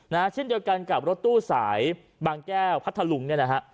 เช่นเดียวกันกับรถตู้สายบางแก้วพัทธลุงเนี่ยนะฮะ